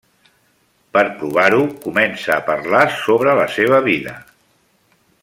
Per provar-ho, comença a parlar sobre la seva vida.